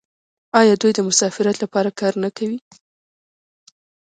آیا دوی د مساوات لپاره کار نه کوي؟